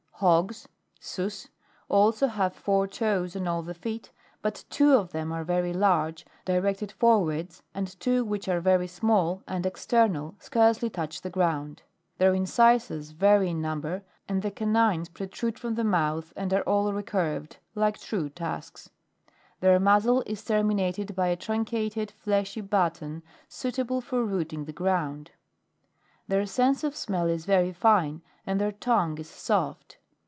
4. HOGS, Sws, also have four toes on all the feet, but two of them are very large, directed forwards, and two which are very small and external, scarcely touch the ground. Their incisors vary in number, and the canines protrude from the mouth, and are all recurved like true tusks ; their muzzle is terminated by a truncated, fleshy button, suitable for rooting the ground. Their sense of smell is very fine, and their tongue is soft.